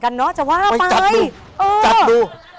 เกือบดู